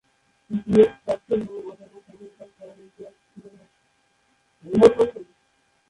GS প্রার্থীর নাম অজানা স্বাধীনতার পরের ইতিহাস হলো করুন।